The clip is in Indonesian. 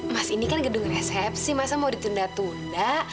mas ini kan gedung resepsi masa mau ditunda tunda